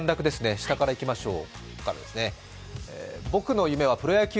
下からいきましょう。